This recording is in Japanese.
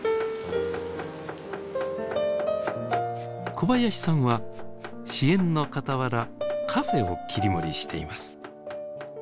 小林さんは支援のかたわらカフェを切り盛りしています。